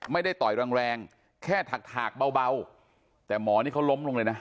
ไม่ได้ต่อยแรงแรงแค่ถักเบาแต่หมอนี่เขาล้มลงเลยนะ